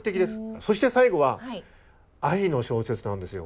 そして最後は愛の小説なんですよ。